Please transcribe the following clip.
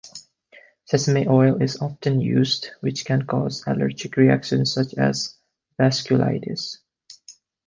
Sesame oil is often used, which can cause allergic reactions such as vasculitis.